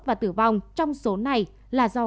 và tử vong trong số này là do